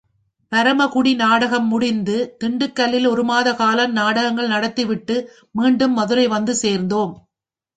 பரமக்குடி நாடகம் முடிந்து திண்டுக்கல்லில் ஒரு மாத காலம் நாடகங்கள் நடத்திவிட்டு மீண்டும் மதுரை வந்து சேர்த்தோம்.